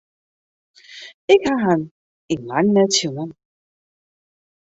Ik haw him yn lang net sjoen.